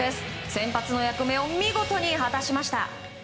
先発の役目を見事に果たしました。